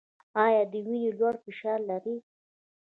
ایا د وینې لوړ فشار لرئ؟